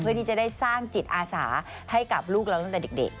เพื่อนดีจะได้สร้างจิตอาสาให้กับลูกเรานักเด็ก